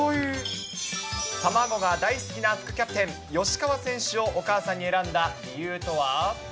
卵が大好きな副キャプテン、吉川選手をお母さんに選んだ理由とは。